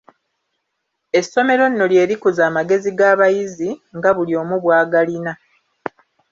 Essomero nno lye likuza amagezi g'abayizi, nga buli omu bw'agalina.